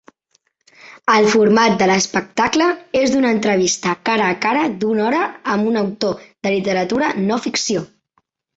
El format de l'espectacle és d'una entrevista cara a cara d'una hora amb un autor de literatura no ficció.